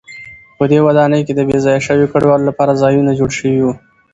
په دې ودانۍ کې د بې ځایه شویو کډوالو لپاره ځایونه جوړ شوي و.